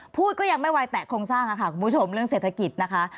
พูดก็ยังไม่ไหวแตะโครงสร้างค่ะคุณผู้ชมเรื่องเศรษฐกิจนะคะ